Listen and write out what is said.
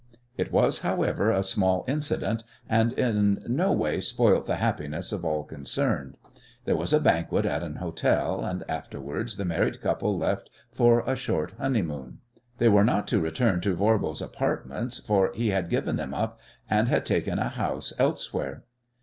It was, however, a small incident, and in no way spoilt the happiness of all concerned. There was a banquet at an hotel, and afterwards the married couple left for a short honeymoon. They were not to return to Voirbo's apartments, for he had given them up and had taken a house elsewhere.